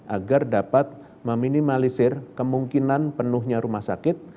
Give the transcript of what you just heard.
agar dapat meminimalisir kemungkinan penuhnya rumah sakit